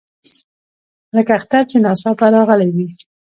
لکه اختر چې ناڅاپه راغلی وي.